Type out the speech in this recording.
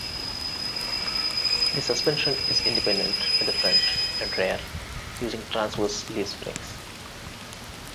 The suspension is independent at the front and rear using transverse leaf springs.